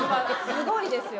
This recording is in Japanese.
すごいですよ。